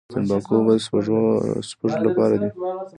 د تنباکو اوبه د سپږو لپاره دي؟